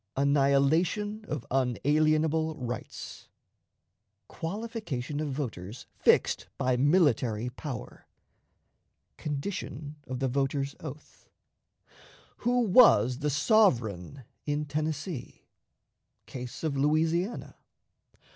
Annihilation of Unalienable Rights. Qualification of Voters fixed by Military Power. Condition of the Voter's Oath. Who was the Sovereign in Tennessee? Case of Louisiana.